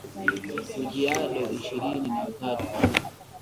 Kajiado ishirini na tatu